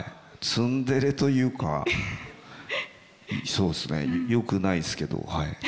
ツンデレというかそうですねよくないですけどはい。